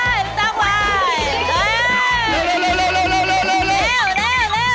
มีต้องไหว